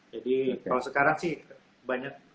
jadi kalau sekarang sih banyak